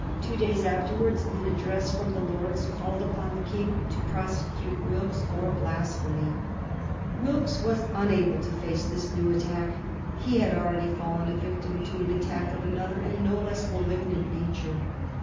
Two days afterwards an address from the Lords called upon the King to prosecute Wilkes for blasphemy. [Sidenote: 1763 Wilkes as a champion of popular liberty] Wilkes was unable to face this new attack. He had already fallen a victim to an attack of another and no less malignant nature.